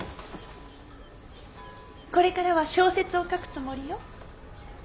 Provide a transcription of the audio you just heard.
これからは小説を書くつもりよ。